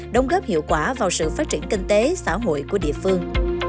đóng góp hiệu quả vào sự phát triển kinh tế xã hội của địa phương